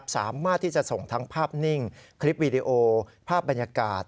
สามารถที่จะส่งทั้งภาพนิ่งคลิปวีดีโอภาพบรรยากาศ